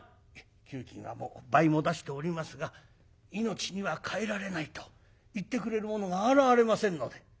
「給金はもう倍も出しておりますが命には代えられないと行ってくれる者が現れませんので」。